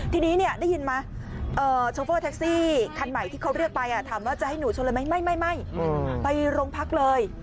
ทีนี้ได้ยินไหมโชเฟอร์แท็กซี่คันใหม่ที่เขาเรียกไปถามว่าจะให้หนูชนเลยไหมไม่ไปโรงพักเลย